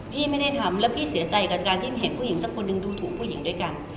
พี่ไม่ได้ทำแล้วพี่เสียใจกับการที่เห็นผู้หญิงสักคนหนึ่งดูถูกผู้หญิงด้วยกัน